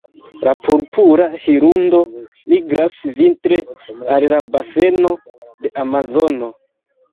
La Purpura hirundo migras vintre al la baseno de Amazono.